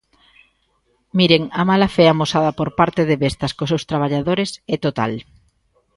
Miren, a mala fe amosada por parte de Vestas cos seus traballadores é total.